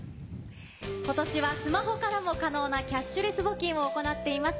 ことしはスマホからも可能なキャッシュレス募金を行っています。